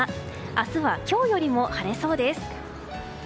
明日は今日よりも晴れそうです。